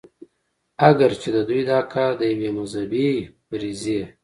اګر چې د دوي دا کار د يوې مذهبي فريضې